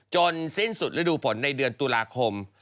สิ้นสุดฤดูฝนในเดือนตุลาคม